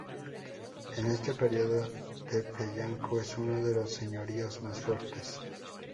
En este periodo Tepeyanco es uno de los señoríos más fuertes.